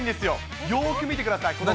よーく見てください。